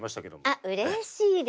あっうれしいです。